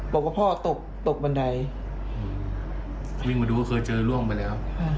บอกว่าพ่อตกตกบันไดวิ่งมาดูก็เคยเจอล่วงไปแล้ว